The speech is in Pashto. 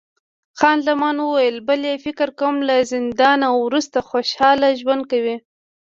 خان زمان وویل، بلی، فکر کوم له زندانه وروسته خوشحاله ژوند کوي.